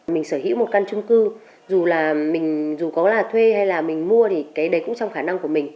mình sở hữu một căn trung cư dù có là thuê hay là mình mua thì cái đấy cũng trong khả năng của mình